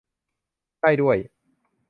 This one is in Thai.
ได้ด้วย